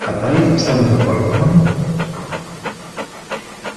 Ata aí estamos de acordo, ¿non?